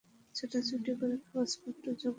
ছোটাছুটি করে কাগজপত্র জোগাড় করলাম।